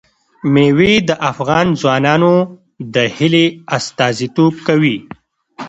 مېوې د افغان ځوانانو د هیلو استازیتوب کوي.